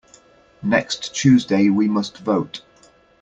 Next Tuesday we must vote.